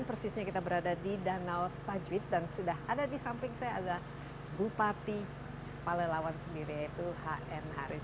dan persisnya kita berada di danau tajwid dan sudah ada di samping saya ada bupati palelawan sendiri yaitu hn haris